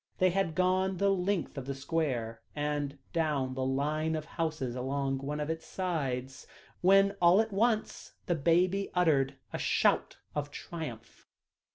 They had gone the length of the square, and down the line of houses along one of its sides, when all at once the baby uttered a shout of triumph.